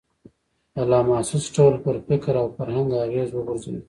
په لا محسوس ډول پر فکر او فرهنګ اغېز وغورځوي.